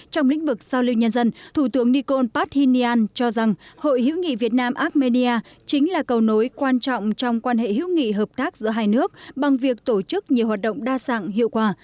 trong lĩnh vực giao lưu nhân dân thủ tướng nikol pashinyan cho rằng hội hữu nghị việt nam armenia chính là cầu nối quan trọng trong quan hệ hữu nghị hợp tác giữa hai nước bằng việc tổ chức nhiều hoạt động đa dạng hiệu quả